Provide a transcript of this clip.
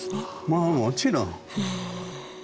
まあもちろん。